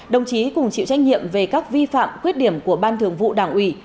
đồng chí cùng chịu trách nhiệm về các vi phạm khuyết điểm của ban thường vụ đảng ủy